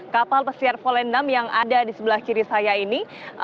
kapal pesiar volendam yang ada di sebelah kiri saya ini